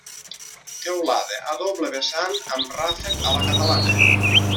Teulada a doble vessant amb ràfec a la catalana.